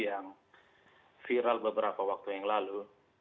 yang viral beberapa waktu yang lalu